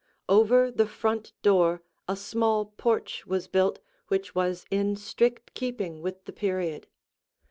Over the front door a small porch was built which was in strict keeping with the period.